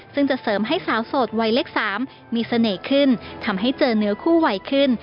ซึ่งจะเสริมให้สาวโสดวัยเล็ก๓มีเสน่ห์ขึ้นทำให้เจอเนื้อคู่ไวขึ้น